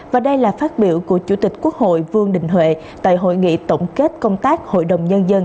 và đây là phát biểu của chủ tịch quốc hội vương đình huệ tại hội nghị tổng kết công tác hội đồng nhân dân